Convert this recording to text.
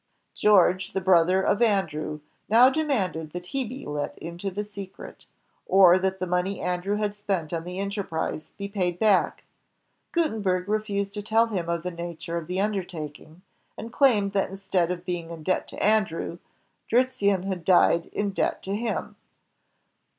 George, the brother of Andrew, now demanded that he be let into the secret, or that the money Andrew had spent on the enterprise be paid back. Guten berg refused to tell him of the nature of the undertaking, and claimed that instead of being in debt to Andrew, Dritzehen died in debt to him.